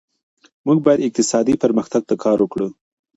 موږ باید اقتصادي پرمختګ ته کار وکړو.